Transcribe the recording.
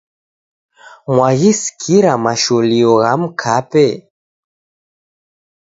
Mwaghisikira masholio gha mkape?